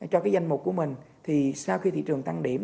cho cái danh mục của mình thì sau khi thị trường tăng điểm